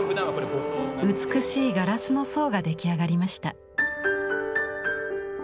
美しいガラスの層が出来上がりました。